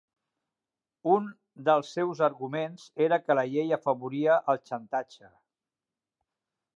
Un dels seus arguments era que la llei afavoria el xantatge.